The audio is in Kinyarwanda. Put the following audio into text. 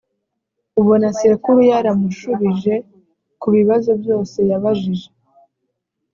ubona sekuru yaramushubije ku bibazo byose yabajije